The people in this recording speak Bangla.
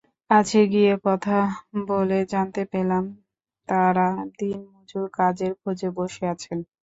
কাছে গিয়ে কথা বলে জানতে পেলাম, তাঁরা দিনমজুর, কাজের খোঁজে বসে আছেন।